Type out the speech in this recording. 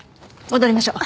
戻りましょう。